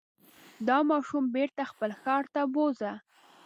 دا ماشوم بېرته خپل ښار ته بوځه.